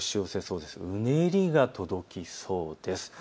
うねりが届きそうです。